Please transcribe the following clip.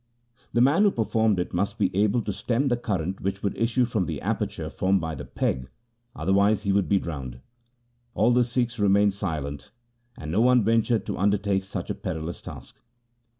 The man who performed it must be able to stem the current which would issue from the aperture formed by the peg; otherwise he would be drowned. All the Sikhs re mained silent, and no one ventured to undertake such a perilous task.